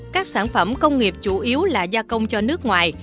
các sản phẩm công nghiệp chủ yếu là gia công cho nước ngoài